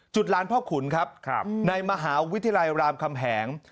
ร้านพ่อขุนครับในมหาวิทยาลัยรามคำแหง